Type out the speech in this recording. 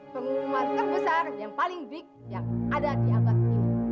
pengumuman terbesar yang paling big yang ada di abad ini